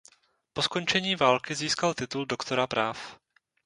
Po skončení války získal titul doktora práv.